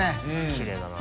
きれいだな。